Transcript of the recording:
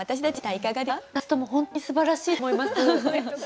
２つとも本当にすばらしいと思います。